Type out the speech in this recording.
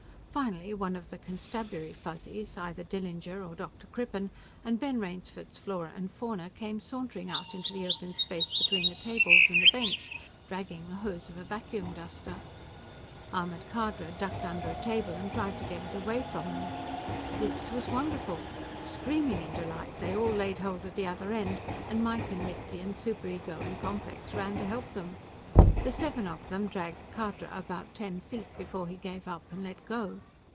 Finally one of the constabulary Fuzzies, either Dillinger or Dr. Crippen, and Ben Rainsford's Flora and Fauna, came sauntering out into the open space between the tables and the bench dragging the hose of a vacuum duster. Ahmed Khadra ducked under a table and tried to get it away from them. This was wonderful; screaming in delight, they all laid hold of the other end, and Mike and Mitzi and Superego and Complex ran to help them. The seven of them dragged Khadra about ten feet before he gave up and let go.